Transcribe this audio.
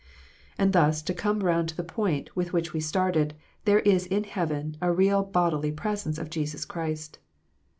And thus, to come round to the point with which we started, there is in heaven a real bodily presence of Jesus Christ.